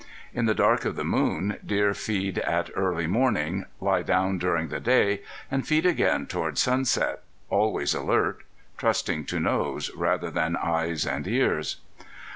In the dark of the moon deer feed at early morning, lie down during the day, and feed again toward sunset, always alert, trusting to nose more than eyes and ears.